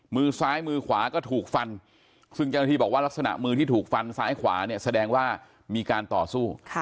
มือซ้ายมือขวาก็ถูกฟันซึ่งเจ้าหน้าที่บอกว่าลักษณะมือที่ถูกฟันซ้ายขวาเนี่ยแสดงว่ามีการต่อสู้